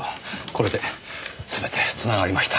これで全て繋がりました。